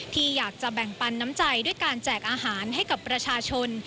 ที่อยากจะแบ่งปันน้ำใจด้วยการแจกอาหารให้กับประชาชน